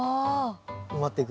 埋まってく。